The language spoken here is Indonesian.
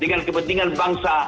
dengan kepentingan bangsa